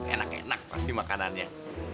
enak enak pasti makanannya